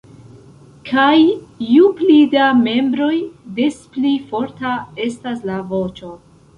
Kaj ju pli da membroj des pli forta estas la voĉo.